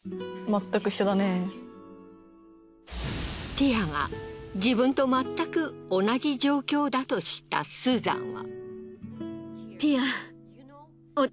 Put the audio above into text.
ティアが自分と全く同じ状況だと知ったスーザンは。